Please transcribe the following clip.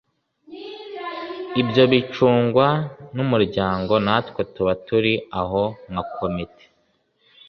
ibyo bicungwa n’umuryango natwe tuba turi aho nka komite